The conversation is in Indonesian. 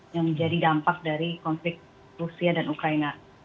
yang menjadi dampak dari konflik rusia dan ukraina